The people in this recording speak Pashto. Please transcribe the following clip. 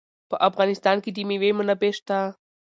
په افغانستان کې د مېوې منابع شته.